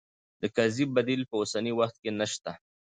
د کرزي بديل په اوسني وخت کې نه شته.